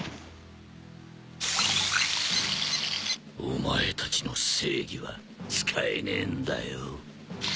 お前たちの正義は使えねえんだよ。